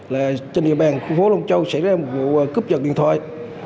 là trên địa bàn khu phố long châu xảy ra một vụ cướp giật điện thoại